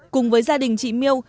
cùng với gia đình chị miêu